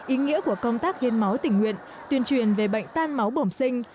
ý nghĩa của công tác hiến máu tình nguyện tuyên truyền về bệnh tan máu bổng sinh